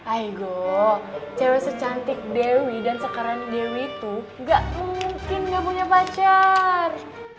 aigo cewek secantik dewi dan sekarang dewi itu gak mungkin gak punya pacar